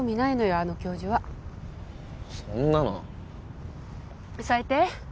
あの教授はそんなの最低？